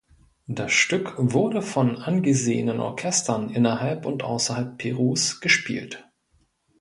Das Stück wurde von angesehenen Orchestern innerhalb und außerhalb Perus gespielt.